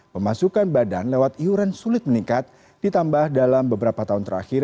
pemasukan badan lewat iuran sulit meningkat ditambah dalam beberapa tahun terakhir